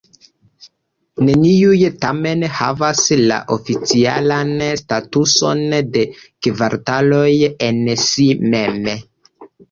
Neniuj tamen havas la oficialan statuson de kvartaloj en si mem.